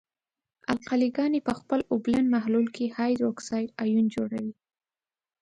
القلې ګاني په خپل اوبلن محلول کې هایدروکساید آیون جوړوي.